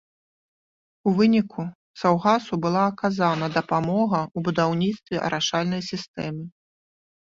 У выніку саўгасу была аказана дапамога ў будаўніцтве арашальнай сістэмы.